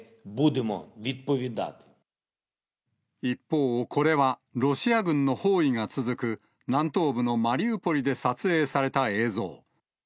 一方、これはロシア軍の包囲が続く南東部のマリウポリで撮影された映像。